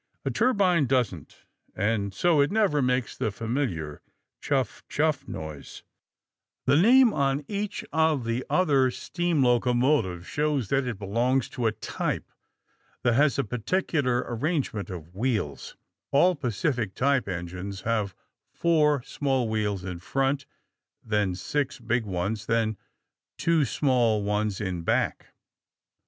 A turbine doesn't, and so it never makes the familiar chuff chuff noise. [Illustration: ERIE PACIFIC CANADIAN PACIFIC MIKADO] The name on each of the other steam locomotives shows that it belongs to a type that has a particular arrangement of wheels. All Pacific type engines have four small wheels in front, then six big ones, then two small ones in back.